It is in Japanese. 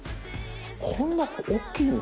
こんな大っきいの？